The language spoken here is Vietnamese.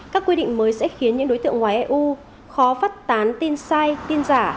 các quy định mới sẽ khiến những đối tượng ngoài eu khó phát tán tin sai tin giả